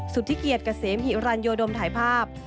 สุดที่เกียจกระเสมหิวรัญโยโดมถ่ายภาพ